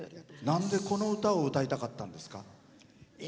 なんで、この歌を歌いたかったんですか？